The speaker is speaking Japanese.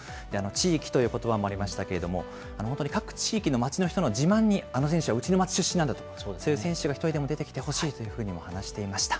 地域ということばもありましたけれども、本当に各地域の町の人の自慢に、あの選手は、うちの街出身なんだという、そういう選手が１人でも出てきてほしいというふうにも話していました。